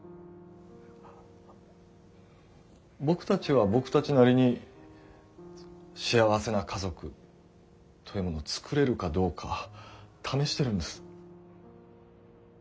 僕たちは僕たちなりに幸せな家族というものをつくれるかどうか試してるんです。